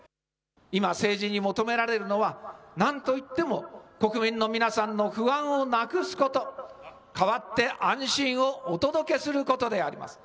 今政治に求められるのは何と言っても国民の皆さんの不安をなくすこと、変わって安心をお届けすることであります。